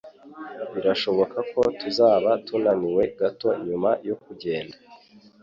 Birashoboka ko tuzaba tunaniwe gato nyuma yo kugenda.